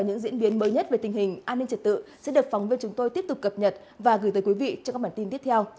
những diễn biến mới nhất về tình hình an ninh trật tự sẽ được phóng viên chúng tôi tiếp tục cập nhật và gửi tới quý vị trong các bản tin tiếp theo